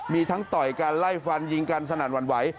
มีทั้งต่อยกันไล่ฟันยิงกันสนั่นหวั่นไหว